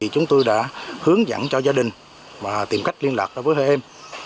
chúng tôi đã hướng dẫn cho gia đình và tìm cách liên lạc với hai em